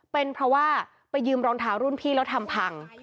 เป็นเพราะว่าไปยืมรองเท้ารุ่นพี่แล้วทำพัง